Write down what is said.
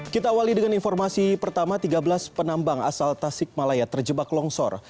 kita awali dengan informasi pertama tiga belas penambang asal tasik malaya terjebak longsor